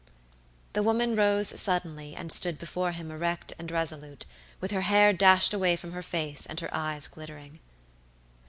The woman rose suddenly and stood before him erect and resolute, with her hair dashed away from her face and her eyes glittering.